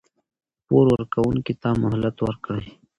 پور ورکوونکي ته مهلت ورکړئ.